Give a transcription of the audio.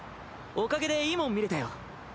おかげでいいもん見れたよ。